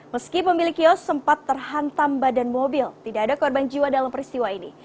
meski pemilik kios sempat terhantam badan mobil tidak ada korban jiwa dalam peristiwa ini